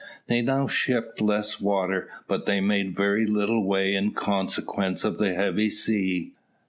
They now shipped less water, but they made very little way in consequence of the heavy sea.